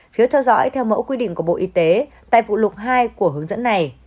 phiếu theo dõi theo mẫu quy định của bộ y tế tại vụ lục hai của hướng dẫn này